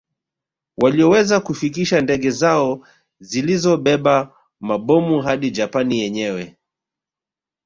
Walioweza kufikisha ndege zao zilizobeba mabomu hadi Japani yenyewe